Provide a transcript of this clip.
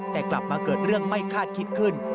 แต่กลับมาเกิดเรื่องไม่คาดคิดขึ้น